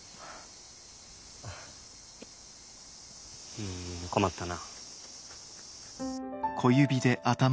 うん困ったな。